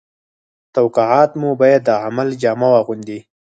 توقعات مو باید د عمل جامه واغوندي